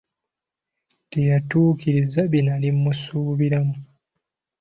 Teyatuukiriza bye nali mmusuubiramu.